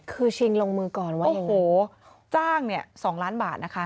คือชิงลงมือก่อนว่าโอ้โหจ้างเนี่ย๒ล้านบาทนะคะ